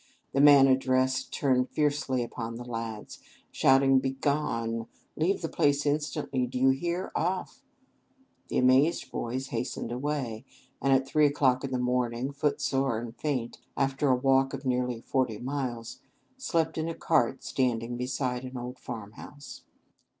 The man addressed turned fiercely upon the lads, shouting, "Begone! Leave the place instantly. Do you hear? Off!" The amazed boys hastened away, and at three o'clock in the morning, footsore and faint, after a walk of nearly forty miles, slept in a cart standing beside an old farmhouse.